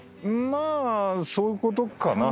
まあそういうことかな。